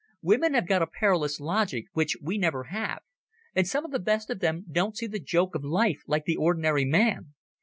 Women have got a perilous logic which we never have, and some of the best of them don't see the joke of life like the ordinary man.